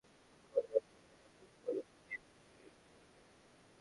বিষয়টি অনেকের মাথাব্যথার কারণ হলেও সরকার যথাযথ পদক্ষেপ নিয়েছে বলতে হয়।